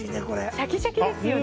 シャキシャキですよね。